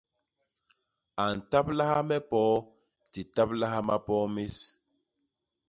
A ntablaha me poo, di ntablaha mapoo més.